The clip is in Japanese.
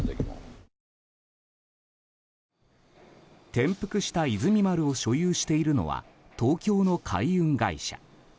転覆した「いずみ丸」を所有しているのは東京の海運会社。